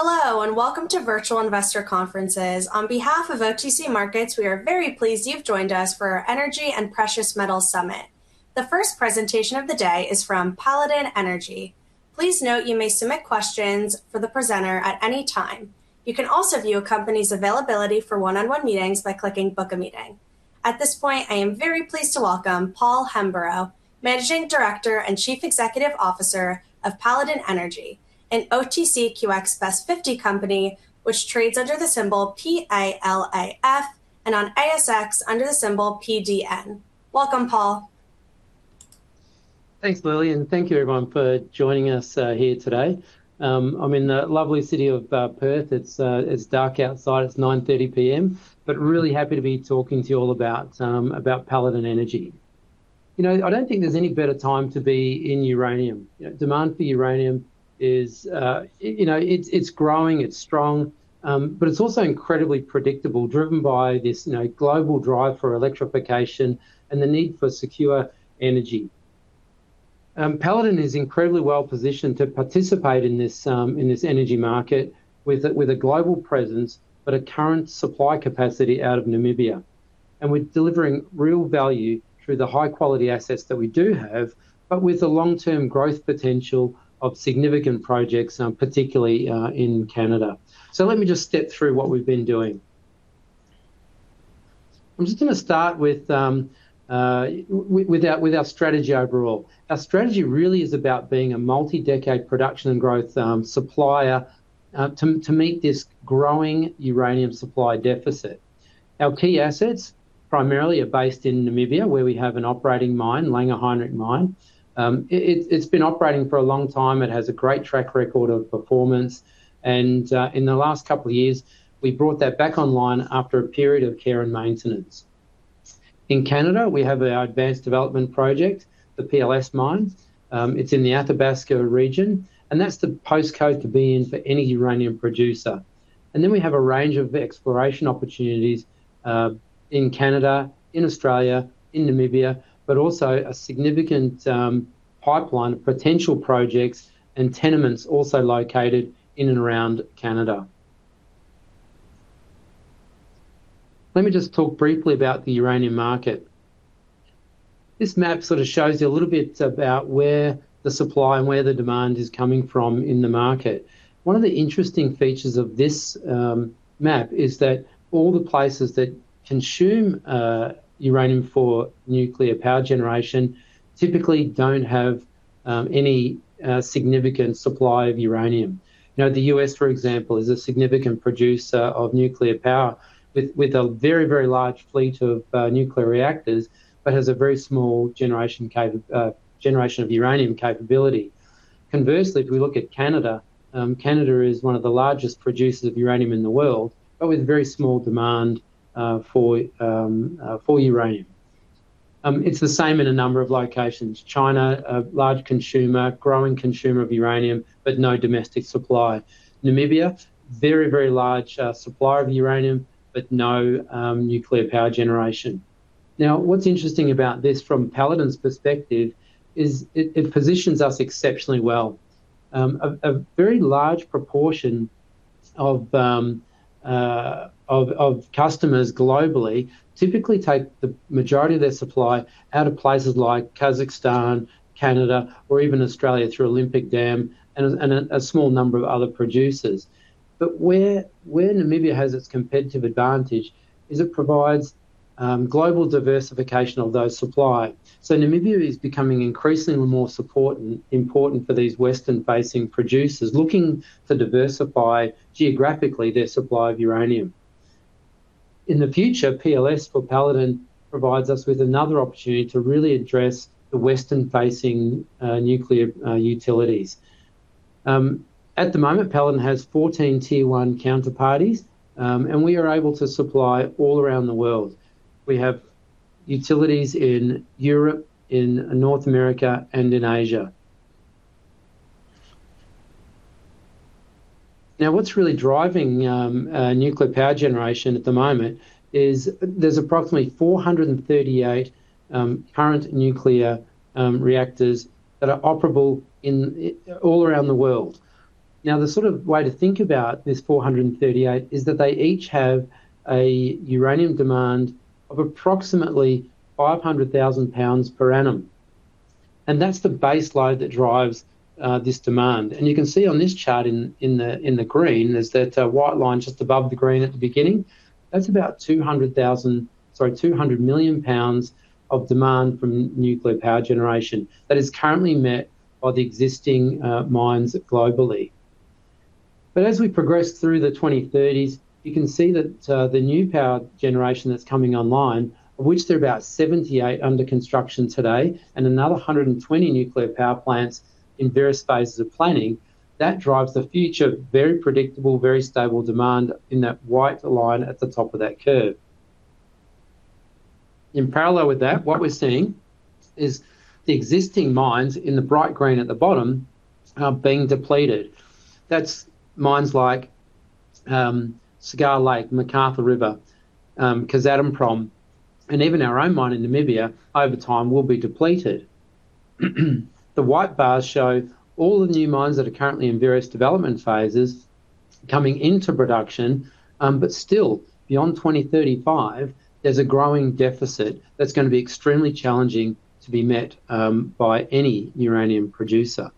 Hello, welcome to Virtual Investor Conferences. On behalf of OTC Markets, we are very pleased you have joined us for our Energy and Precious Metals Summit. The first presentation of the day is from Paladin Energy. Please note you may submit questions for the presenter at any time. You can also view a company's availability for one-on-one meetings by clicking "Book a Meeting." At this point, I am very pleased to welcome Paul Hemburrow, Managing Director and Chief Executive Officer of Paladin Energy, an OTCQX Best 50 company, which trades under the symbol PILAF and on ASX under the symbol PDN. Welcome, Paul. Thanks, Lily, thank you, everyone, for joining us here today. I am in the lovely city of Perth. It is dark outside, it is 9:30 P.M., really happy to be talking to you all about Paladin Energy. I do not think there is any better time to be in uranium. Demand for uranium, it is growing, it is strong, it is also incredibly predictable, driven by this global drive for electrification and the need for secure energy. Paladin is incredibly well-positioned to participate in this energy market with a global presence, a current supply capacity out of Namibia. We are delivering real value through the high-quality assets that we do have, with the long-term growth potential of significant projects, particularly in Canada. Let me just step through what we have been doing. I am just going to start with our strategy overall. Our strategy really is about being a multi-decade production and growth supplier to meet this growing uranium supply deficit. Our key assets primarily are based in Namibia, where we have an operating mine, Langer Heinrich Mine. It has been operating for a long time. It has a great track record of performance, in the last couple of years, we brought that back online after a period of care and maintenance. In Canada, we have our advanced development project, the PLS Mine. It is in the Athabasca region, that is the postcode to be in for any uranium producer. We have a range of exploration opportunities in Canada, in Australia, in Namibia, also a significant pipeline of potential projects and tenements also located in and around Canada. Let me just talk briefly about the uranium market. This map sort of shows you a little bit about where the supply and where the demand is coming from in the market. One of the interesting features of this map is that all the places that consume uranium for nuclear power generation typically do not have any significant supply of uranium. The U.S., for example, is a significant producer of nuclear power with a very large fleet of nuclear reactors, has a very small generation of uranium capability. Conversely, if we look at Canada is one of the largest producers of uranium in the world, with very small demand for uranium. It is the same in a number of locations. China, a large consumer, growing consumer of uranium, no domestic supply. Namibia, very large supplier of uranium, no nuclear power generation. What is interesting about this from Paladin's perspective is it positions us exceptionally well. A very large proportion of customers globally typically take the majority of their supply out of places like Kazakhstan, Canada, or even Australia through Olympic Dam and a small number of other producers. Where Namibia has its competitive advantage is it provides global diversification of those supply. Namibia is becoming increasingly more important for these Western-facing producers looking to diversify geographically their supply of uranium. In the future, PLS for Paladin provides us with another opportunity to really address the Western-facing nuclear utilities. At the moment, Paladin has 14 Tier 1 counterparties, and we are able to supply all around the world. We have utilities in Europe, in North America, and in Asia. What's really driving nuclear power generation at the moment is there's approximately 438 current nuclear reactors that are operable all around the world. The way to think about this 438 is that they each have a uranium demand of approximately 500,000 lb per annum. That's the base load that drives this demand. You can see on this chart in the green, there's that white line just above the green at the beginning. That's about 200 million lb of demand from nuclear power generation. That is currently met by the existing mines globally. As we progress through the 2030s, you can see that the new power generation that's coming online, of which there are about 78 under construction today, and another 120 nuclear power plants in various phases of planning, that drives the future, very predictable, very stable demand in that white line at the top of that curve. In parallel with that, what we're seeing is the existing mines in the bright green at the bottom are being depleted. That's mines like Cigar Lake, McArthur River, Kazatomprom, and even our own mine in Namibia, over time, will be depleted. The white bars show all the new mines that are currently in various development phases coming into production. Still, beyond 2035, there's a growing deficit that's going to be extremely challenging to be met by any uranium producer.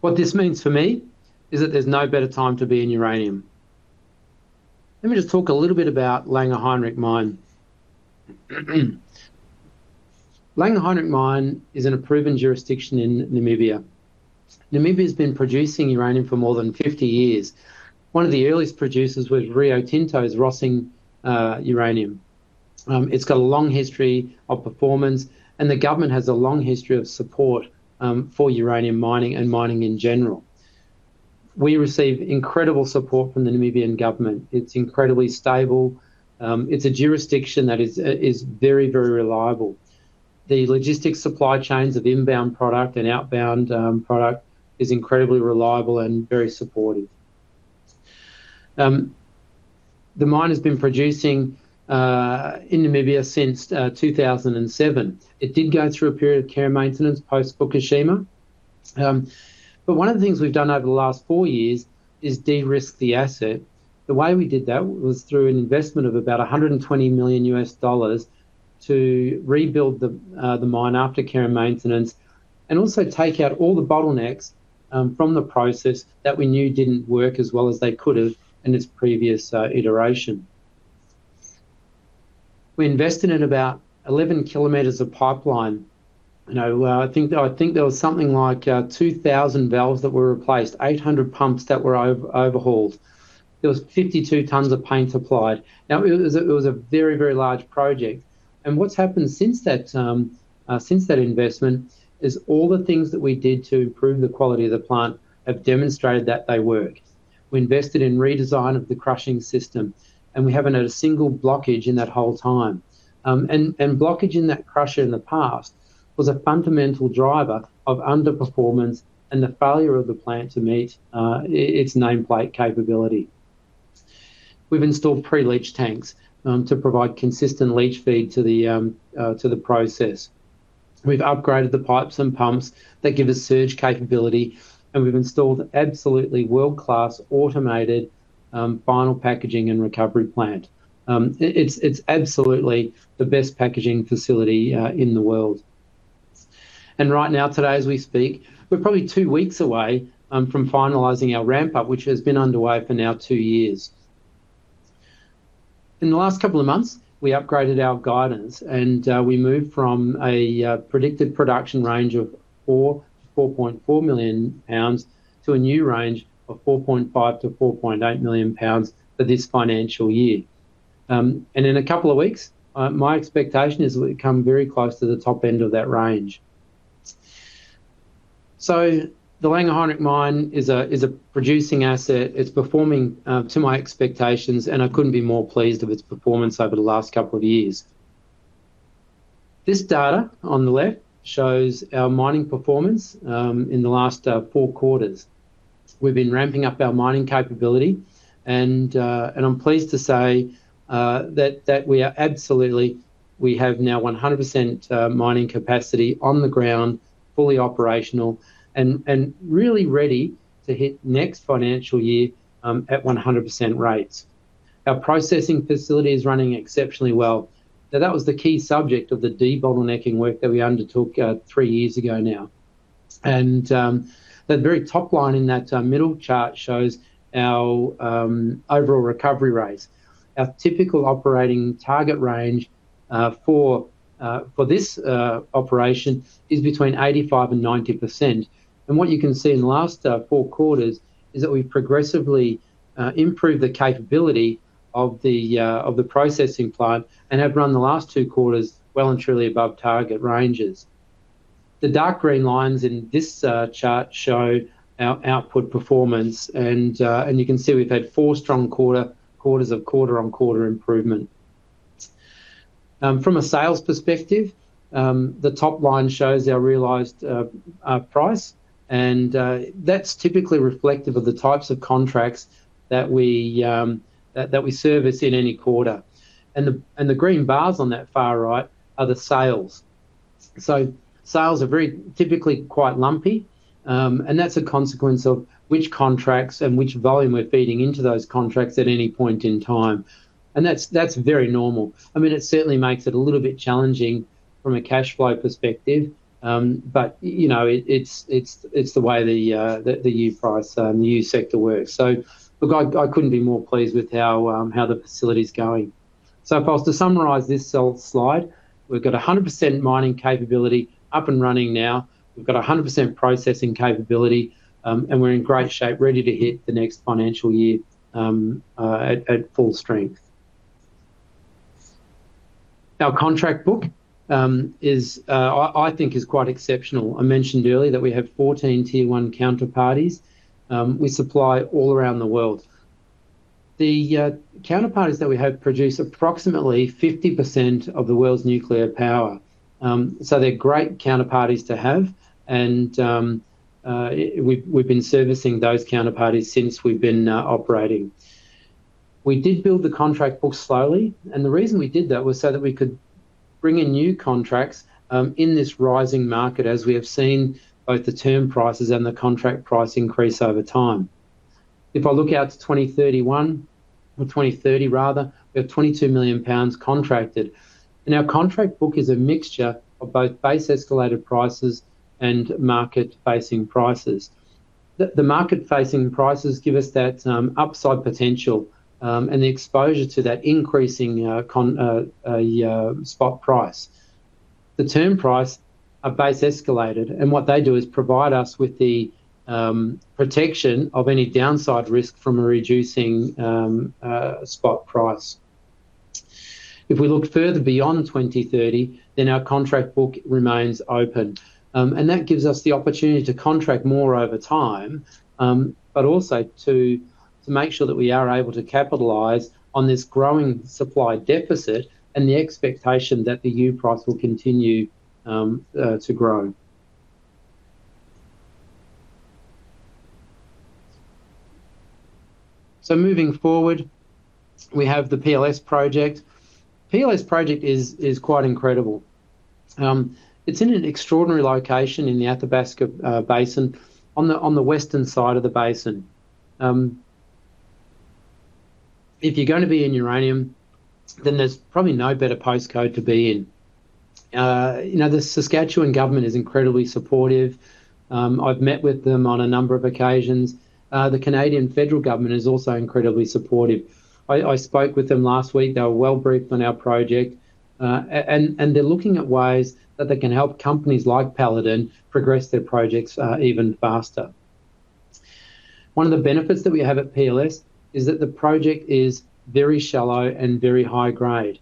What this means for me is that there's no better time to be in uranium. Let me just talk a little bit about Langer Heinrich Mine. Langer Heinrich Mine is in a proven jurisdiction in Namibia. Namibia's been producing uranium for more than 50 years. One of the earliest producers was Rio Tinto's Rössing Uranium. It's got a long history of performance, and the government has a long history of support for uranium mining and mining in general. We receive incredible support from the Namibian government. It's incredibly stable. It's a jurisdiction that is very reliable. The logistics supply chains of inbound product and outbound product is incredibly reliable and very supportive. The mine has been producing in Namibia since 2007. It did go through a period of care and maintenance post-Fukushima. One of the things we've done over the last four years is de-risk the asset. The way we did that was through an investment of about $120 million to rebuild the mine after care and maintenance, and also take out all the bottlenecks from the process that we knew didn't work as well as they could have in its previous iteration. We invested in about 11 km of pipeline. I think there was something like 2,000 valves that were replaced, 800 pumps that were overhauled. There was 52 tons of paint applied. It was a very large project. What's happened since that investment is all the things that we did to improve the quality of the plant have demonstrated that they work. We invested in redesign of the crushing system, we haven't had a single blockage in that whole time. Blockage in that crusher in the past was a fundamental driver of underperformance and the failure of the plant to meet its nameplate capability. We've installed pre-leach tanks to provide consistent leach feed to the process. We've upgraded the pipes and pumps that give us surge capability, we've installed absolutely world-class automated final packaging and recovery plant. It's absolutely the best packaging facility in the world. Right now, today as we speak, we're probably two weeks away from finalizing our ramp-up, which has been underway for now two years. In the last couple of months, we upgraded our guidance, we moved from a predicted production range of 4 million lb-4.4 million lb to a new range of 4.5 million lb-4.8 million lb for this financial year. In a couple of weeks, my expectation is we'll come very close to the top end of that range. The Langer Heinrich Mine is a producing asset. It's performing to my expectations, I couldn't be more pleased with its performance over the last couple of years. This data on the left shows our mining performance in the last four quarters. We've been ramping up our mining capability and I'm pleased to say that we have now 100% mining capacity on the ground, fully operational, and really ready to hit next financial year at 100% rates. Our processing facility is running exceptionally well. That was the key subject of the de-bottlenecking work that we undertook three years ago now. The very top line in that middle chart shows our overall recovery rates. Our typical operating target range for this operation is between 85%-90%. What you can see in the last four quarters is that we've progressively improved the capability of the processing plant and have run the last two quarters well and truly above target ranges. The dark green lines in this chart show our output performance, and you can see we've had four strong quarters of quarter-on-quarter improvement. From a sales perspective, the top line shows our realized price, and that's typically reflective of the types of contracts that we service in any quarter. The green bars on that far right are the sales. Sales are very typically quite lumpy. That's a consequence of which contracts and which volume we're feeding into those contracts at any point in time. That's very normal. It certainly makes it a little bit challenging from a cash flow perspective. But it's the way the price and the sector works. I couldn't be more pleased with how the facility's going. If I was to summarize this sales slide, we've got 100% mining capability up and running now. We've got 100% processing capability, and we're in great shape, ready to hit the next financial year at full strength. Our contract book, I think, is quite exceptional. I mentioned earlier that we have 14 Tier 1 counterparties. We supply all around the world. The counterparties that we have produce approximately 50% of the world's nuclear power. They're great counterparties to have, and we've been servicing those counterparties since we've been operating. We did build the contract book slowly. The reason we did that was so that we could bring in new contracts in this rising market, as we have seen both the term prices and the contract price increase over time. If I look out to 2031 or 2030 rather, we have 22 million lb contracted. Our contract book is a mixture of both base-escalated prices and market-facing prices. The market-facing prices give us that upside potential, and the exposure to that increasing spot price. The term price are base-escalated, and what they do is provide us with the protection of any downside risk from a reducing spot price. If we look further beyond 2030, our contract book remains open. That gives us the opportunity to contract more over time, but also to make sure that we are able to capitalize on this growing supply deficit and the expectation that the new price will continue to grow. Moving forward, we have the PLS project. PLS project is quite incredible. It's in an extraordinary location in the Athabasca Basin on the western side of the basin. If you're going to be in uranium, there's probably no better postcode to be in. The Saskatchewan government is incredibly supportive. I've met with them on a number of occasions. The Canadian federal government is also incredibly supportive. I spoke with them last week. They were well-briefed on our project. They're looking at ways that they can help companies like Paladin progress their projects even faster. One of the benefits that we have at PLS is that the project is very shallow and very high grade.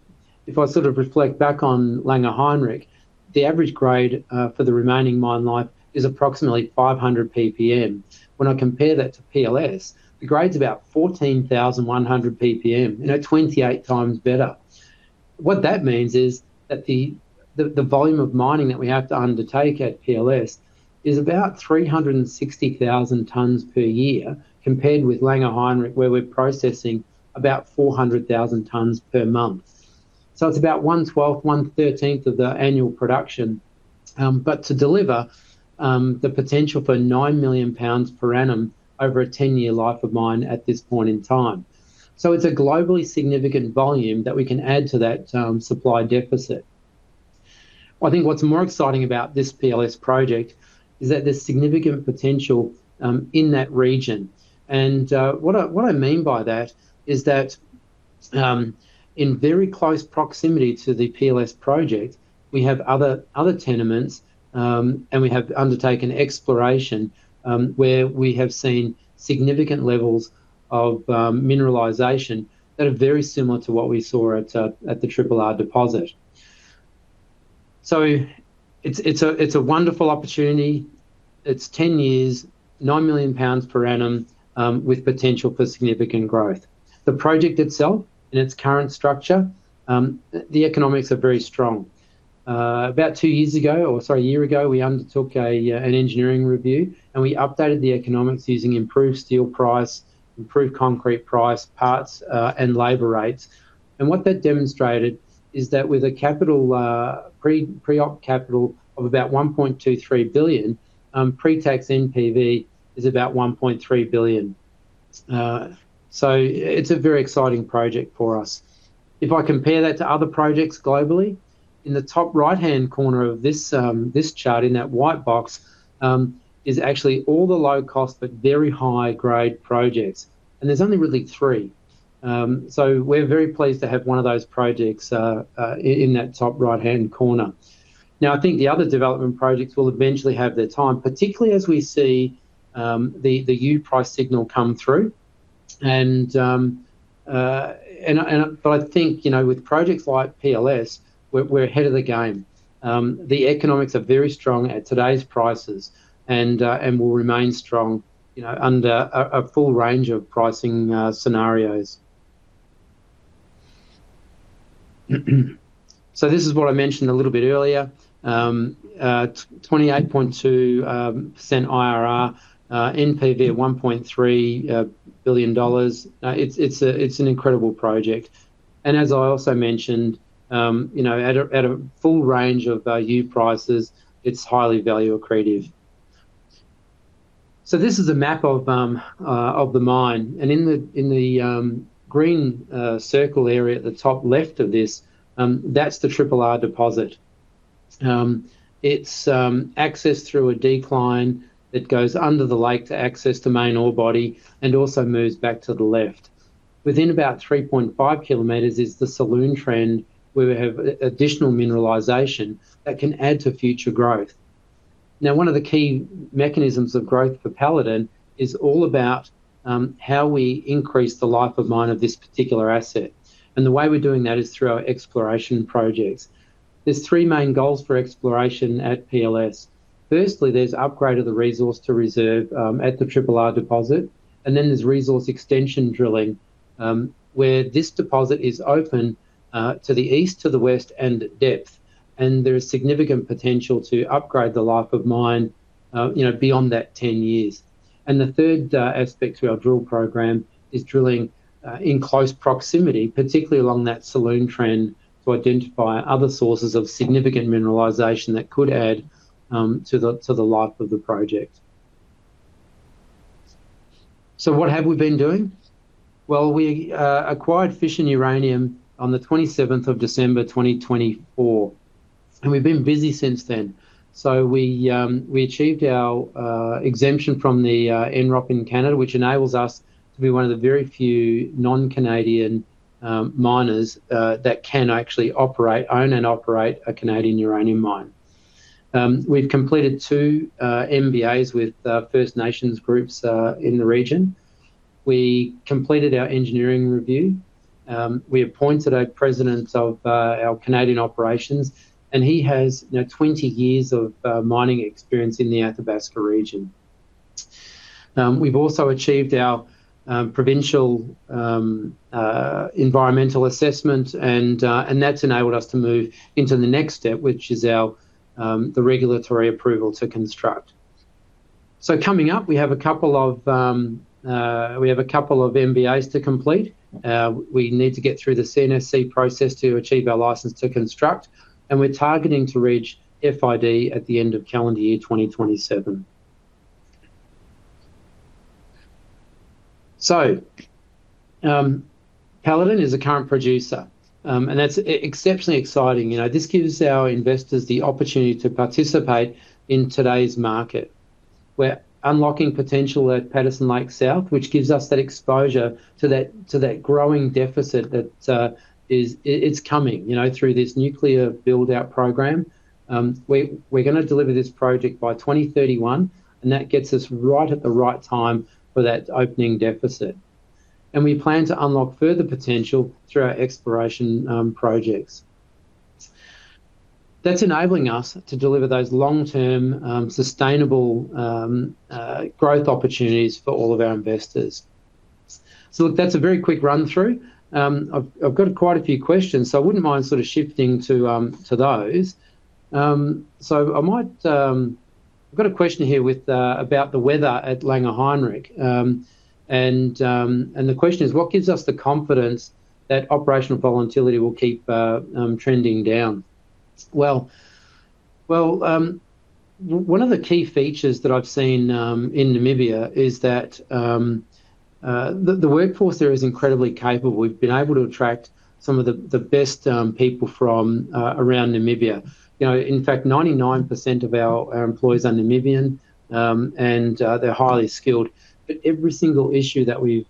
If I sort of reflect back on Langer Heinrich, the average grade for the remaining mine life is approximately 500 PPM. When I compare that to PLS, the grade's about 14,100 PPM. 28x better. What that means is that the volume of mining that we have to undertake at PLS is about 360,000 tons per year, compared with Langer Heinrich, where we're processing about 400,000 tons per month. It's about one twelfth, one thirteenth of the annual production. To deliver the potential for 9 million pounds per annum over a 10-year life of mine at this point in time. It's a globally significant volume that we can add to that supply deficit. I think what's more exciting about this PLS project is that there's significant potential in that region. What I mean by that is that in very close proximity to the PLS project, we have other tenements, and we have undertaken exploration, where we have seen significant levels of mineralization that are very similar to what we saw at the Triple R deposit. It's a wonderful opportunity. It's 10 years, 9 million pounds per annum, with potential for significant growth. The project itself, in its current structure, the economics are very strong. About two years ago, or sorry, a year ago, we undertook an engineering review and we updated the economics using improved steel price, improved concrete price, parts, and labor rates. What that demonstrated is that with a pre-op capital of about $1.23 billion, pre-tax NPV is about $1.3 billion. It's a very exciting project for us. If I compare that to other projects globally, in the top right-hand corner of this chart in that white box, is actually all the low-cost but very high-grade projects. There's only really three. We're very pleased to have one of those projects in that top right-hand corner. I think the other development projects will eventually have their time, particularly as we see the new price signal come through. I think with projects like PLS, we're ahead of the game. The economics are very strong at today's prices and will remain strong under a full range of pricing scenarios. This is what I mentioned a little bit earlier. 28.2% IRR, NPV at $1.3 billion. It's an incredible project. As I also mentioned, at a full range of value prices, it's highly value accretive. This is a map of the mine. In the green circle area at the top left of this, that's the Triple R deposit. It's accessed through a decline that goes under the lake to access the main ore body and also moves back to the left. Within about 3.5 km is the Saloon Trend, where we have additional mineralization that can add to future growth. One of the key mechanisms of growth for Paladin Energy is all about how we increase the life of mine of this particular asset. The way we're doing that is through our exploration projects. There's three main goals for exploration at PLS. Firstly, there's upgrade of the resource to reserve at the Triple R deposit. Then there's resource extension drilling, where this deposit is open to the east, to the west and depth. There is significant potential to upgrade the life of mine beyond that 10 years. The third aspect to our drill program is drilling in close proximity, particularly along that Saloon Trend, to identify other sources of significant mineralization that could add to the life of the project. What have we been doing? We acquired Fission Uranium on the 27th of December 2024, and we've been busy since then. We achieved our exemption from the NRCan in Canada, which enables us to be one of the very few non-Canadian miners that can actually own and operate a Canadian uranium mine. We've completed two IBAs with First Nations groups in the region. We completed our engineering review. We appointed a president of our Canadian operations, and he has 20 years of mining experience in the Athabasca region. We've also achieved our provincial environmental assessment. That's enabled us to move into the next step, which is the regulatory approval to construct. Coming up, we have a couple of IBAs to complete. We need to get through the CNSC process to achieve our license to construct, and we're targeting to reach FID at the end of calendar year 2027. Paladin is a current producer, and that's exceptionally exciting. This gives our investors the opportunity to participate in today's market. We're unlocking potential at Patterson Lake South, which gives us that exposure to that growing deficit that is coming through this nuclear build-out program. We're going to deliver this project by 2031, and that gets us right at the right time for that opening deficit. We plan to unlock further potential through our exploration projects. That's enabling us to deliver those long-term, sustainable growth opportunities for all of our investors. Look, that's a very quick run-through. I've got quite a few questions, I wouldn't mind shifting to those. I've got a question here about the weather at Langer Heinrich. The question is, "What gives us the confidence that operational volatility will keep trending down?" Well, one of the key features that I've seen in Namibia is that the workforce there is incredibly capable. We've been able to attract some of the best people from around Namibia. In fact, 99% of our employees are Namibian, and they're highly skilled. Every single issue that we've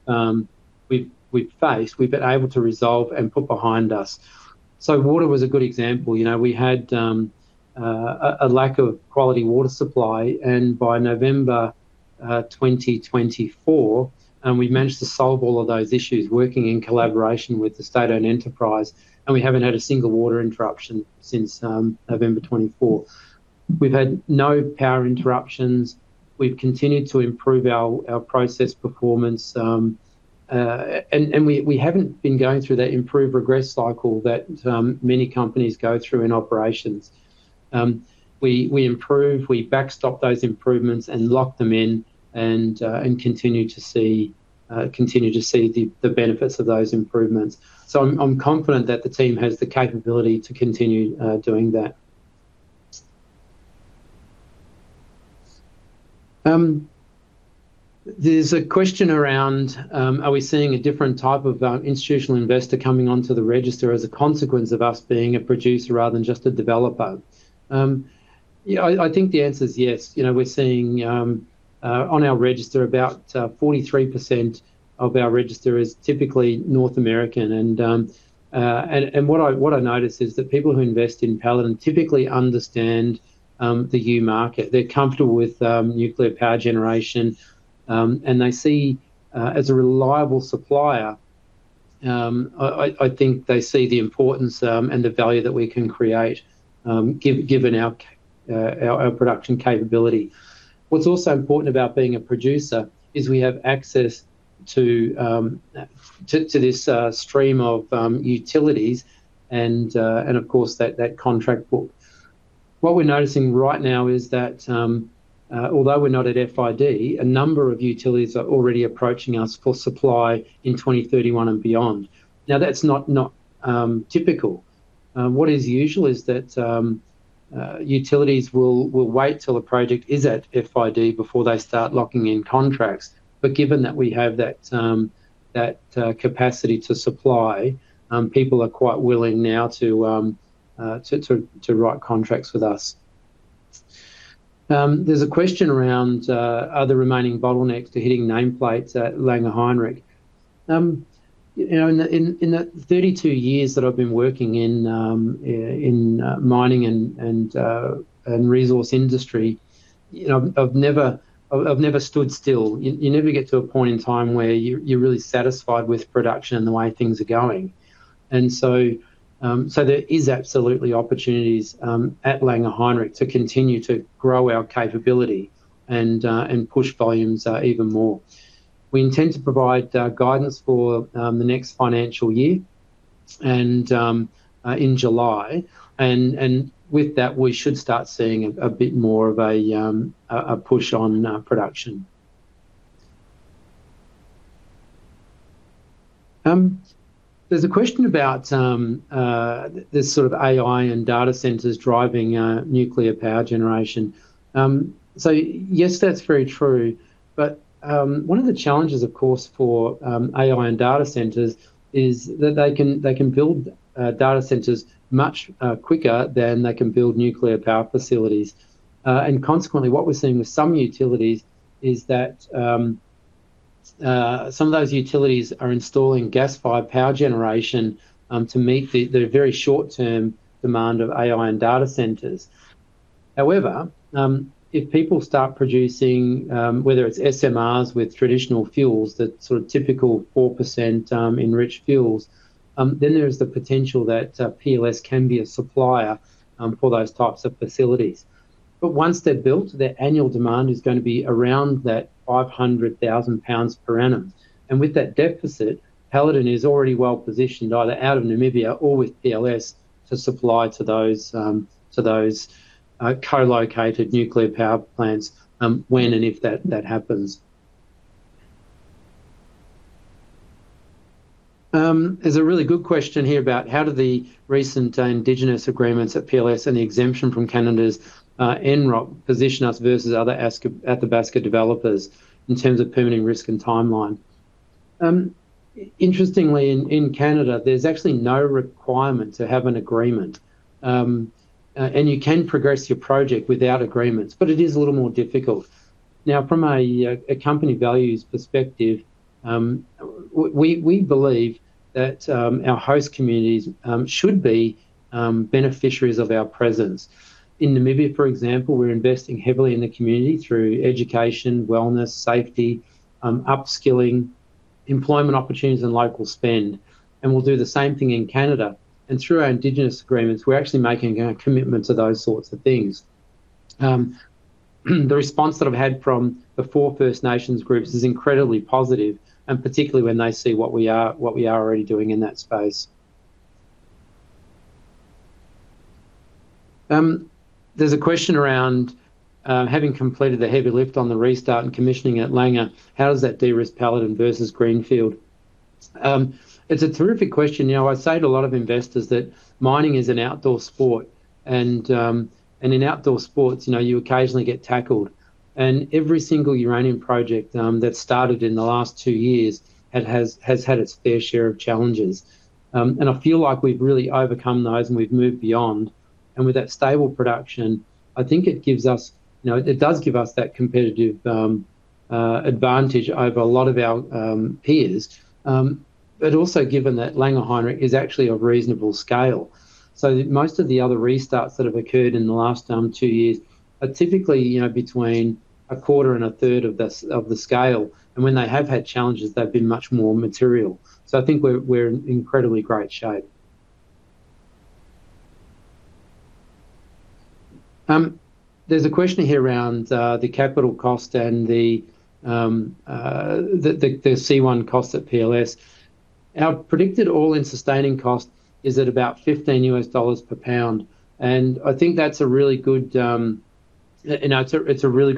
faced, we've been able to resolve and put behind us. Water was a good example. We had a lack of quality water supply, and by November 2024, we managed to solve all of those issues, working in collaboration with the state-owned enterprise, and we haven't had a single water interruption since November 2024. We've had no power interruptions. We've continued to improve our process performance. We haven't been going through that improve-regress cycle that many companies go through in operations. We improve, we backstop those improvements, and lock them in, and continue to see the benefits of those improvements. I'm confident that the team has the capability to continue doing that. There's a question around, are we seeing a different type of institutional investor coming onto the register as a consequence of us being a producer rather than just a developer? I think the answer is yes. We're seeing on our register, about 43% of our register is typically North American. What I notice is that people who invest in Paladin typically understand the U market. They're comfortable with nuclear power generation. They see, as a reliable supplier, I think they see the importance and the value that we can create given our production capability. What's also important about being a producer is we have access to this stream of utilities and of course, that contract book. What we're noticing right now is that although we're not at FID, a number of utilities are already approaching us for supply in 2031 and beyond. That's not typical. What is usual is that utilities will wait till a project is at FID before they start locking in contracts. Given that we have that capacity to supply, people are quite willing now to write contracts with us. There's a question around, are there remaining bottlenecks to hitting nameplates at Langer Heinrich? In the 32 years that I've been working in mining and resource industry, I've never stood still. You never get to a point in time where you're really satisfied with production and the way things are going. There is absolutely opportunities at Langer Heinrich to continue to grow our capability and push volumes even more. We intend to provide guidance for the next financial year in July. With that, we should start seeing a bit more of a push on production. There's a question about this sort of AI and data centers driving nuclear power generation. Yes, that's very true. One of the challenges, of course, for AI and data centers is that they can build data centers much quicker than they can build nuclear power facilities. Consequently, what we're seeing with some utilities is that some of those utilities are installing gas-fired power generation to meet the very short-term demand of AI and data centers. If people start producing, whether it's SMRs with traditional fuels, that sort of typical 4% enriched fuels, there is the potential that PLS can be a supplier for those types of facilities. Once they're built, their annual demand is going to be around that 500,000 lb per annum. With that deficit, Paladin is already well-positioned either out of Namibia or with PLS to supply to those co-located nuclear power plants when and if that happens. There's a really good question here about how do the recent indigenous agreements at PLS and the exemption from Canada's NRCan position us versus other Athabasca developers in terms of permitting risk and timeline. Interestingly, in Canada, there's actually no requirement to have an agreement. You can progress your project without agreements, but it is a little more difficult. From a company values perspective, we believe that our host communities should be beneficiaries of our presence. In Namibia, for example, we're investing heavily in the community through education, wellness, safety, upskilling, employment opportunities, and local spend. We'll do the same thing in Canada. Through our indigenous agreements, we're actually making a commitment to those sorts of things. The response that I've had from the four First Nations groups is incredibly positive, particularly when they see what we are already doing in that space. There's a question around having completed the heavy lift on the restart and commissioning at Langer, how does that de-risk Paladin versus greenfield? It's a terrific question. I say to a lot of investors that mining is an outdoor sport. In outdoor sports, you occasionally get tackled. Every single uranium project that's started in the last two years has had its fair share of challenges. I feel like we've really overcome those and we've moved beyond. With that stable production, I think it does give us that competitive advantage over a lot of our peers. Also given that Langer Heinrich is actually a reasonable scale. Most of the other restarts that have occurred in the last two years are typically between a quarter and a third of the scale. When they have had challenges, they've been much more material. I think we're in incredibly great shape. There's a question here around the capital cost and the C1 cost at PLS. Our predicted all-in sustaining cost is at about $15/lb. I think that's a really good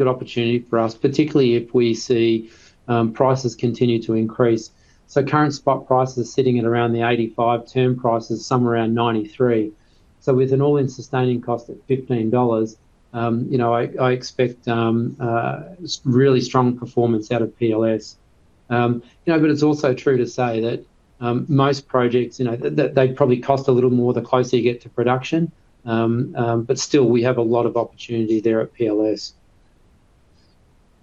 opportunity for us, particularly if we see prices continue to increase. Current spot price is sitting at around $85, term price is somewhere around $93. With an all-in sustaining cost of $15, I expect really strong performance out of PLS. It's also true to say that most projects, they probably cost a little more the closer you get to production. Still, we have a lot of opportunity there at PLS.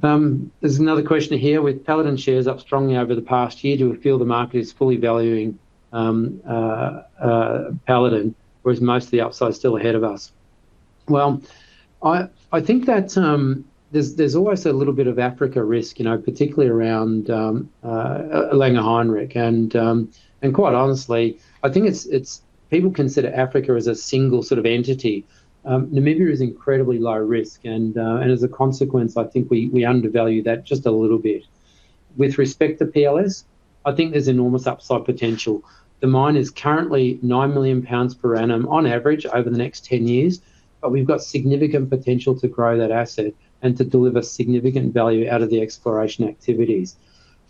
There's another question here. With Paladin shares up strongly over the past year, do we feel the market is fully valuing Paladin, or is most of the upside still ahead of us? I think that there's almost a little bit of Africa risk, particularly around Langer Heinrich. Quite honestly, I think people consider Africa as a single sort of entity. Namibia is incredibly low risk, and as a consequence, I think we undervalue that just a little bit. With respect to PLS, I think there's enormous upside potential. The mine is currently 9 million pounds per annum on average over the next 10 years. We've got significant potential to grow that asset and to deliver significant value out of the exploration activities.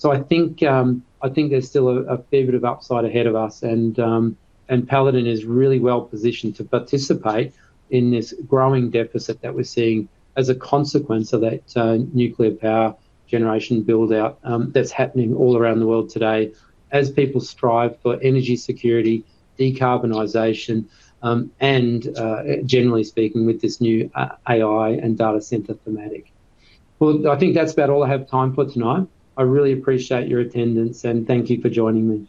I think there's still a fair bit of upside ahead of us, and Paladin is really well-positioned to participate in this growing deficit that we're seeing as a consequence of that nuclear power generation build-out that's happening all around the world today as people strive for energy security, decarbonization, and generally speaking, with this new AI and data center thematic. Well, I think that's about all I have time for tonight. I really appreciate your attendance and thank you for joining me.